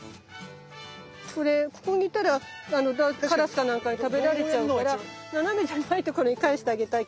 これここにいたらカラスか何かに食べられちゃうから斜めじゃないとこに返してあげたいけど。